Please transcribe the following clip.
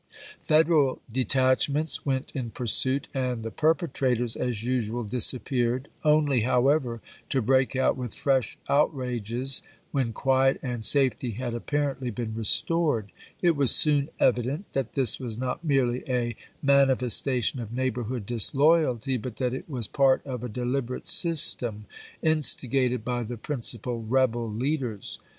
Federal detachments went in pursuit, and the perpetrators as usual disappeared, only, how ever, to break out with fresh outrages when quiet and safety had apparently been restored. It was soon evident that this was not merely a manifes tation of neighborhood disloyalty, but that it was part of a deliberate system instigated by the prin cipal rebel leaders.